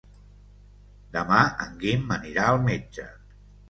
Demà en Guim anirà al metge.